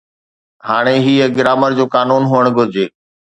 ھاڻي ھيءَ گرامر جو قانون ھئڻ گھرجي